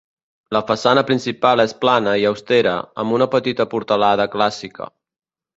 La façana principal és plana i austera, amb una petita portalada clàssica.